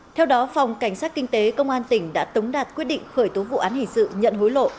theo đó phòng cảnh sát kinh tế công an tỉnh đã tống đạt quyết định khởi tố vụ án hình sự nhận hối lộ